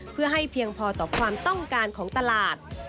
เพื่อให้เพียงพอต่อความต้องการของตลาด